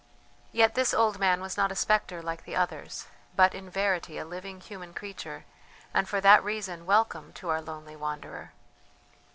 Yet this old man was not a spectre like the others, but in verity a living human creature, and for that reason welcome to our lonely wanderer.